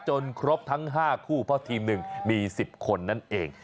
ครบทั้ง๕คู่เพราะทีมหนึ่งมี๑๐คนนั่นเอง